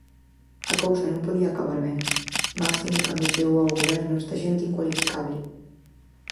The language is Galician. A cousa non podía acabar ben, máxime cando chegou ao Goberno esta xente incualificable.